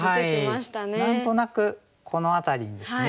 何となくこの辺りにですね